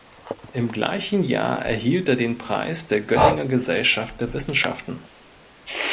Im gleichen Jahr erhielt er den Preis der Göttinger Gesellschaft der Wissenschaften.